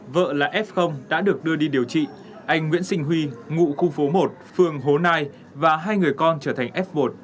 vợ là f đã được đưa đi điều trị anh nguyễn sinh huy ngụ khu phố một phường hố nai và hai người con trở thành f một